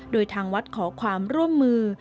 โดยทางวัดขอความร่วมมือ